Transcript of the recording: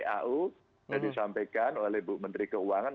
yang disampaikan oleh bu menteri keuangan